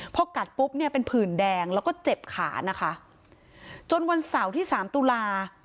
พอกัดปุ๊บเนี่ยเป็นผื่นแดงแล้วก็เจ็บขานะคะจนวันเสาร์ที่สามตุลา